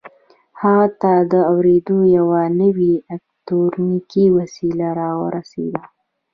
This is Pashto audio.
هغه ته د اورېدلو یوه نوې الکټرونیکي وسیله را ورسېده